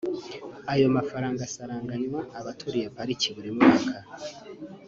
Ayo mafaranga asaranganywa abaturiye Pariki buri mwaka